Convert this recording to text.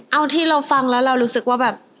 เอาที่เราฟังแล้วเรารู้สึกว่าแบบ